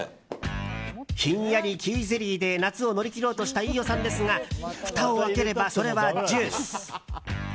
ひんやりキウイゼリーで夏を乗り切ろうとした飯尾さんですがふたを開ければ、それはジュース。